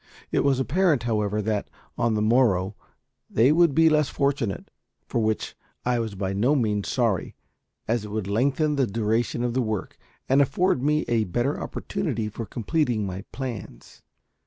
It was apparent, however, that on the morrow they would be less fortunate; for which I was by no means sorry, as it would lengthen the duration of the work, and afford me a better opportunity for completing my plans.